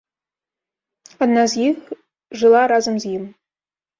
Адна з іх жыла разам з ім.